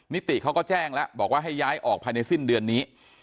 นิติเขาก็แจ้งแล้วบอกว่าให้ย้ายออกภายในสิ้นเดือนนี้